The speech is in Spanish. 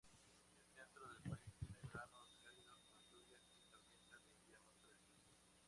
El centro del país tiene veranos cálidos con lluvias y tormentas, e inviernos frescos.